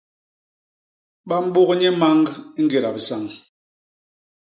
Ba mbôk nye mañg i ñgéda bisañ.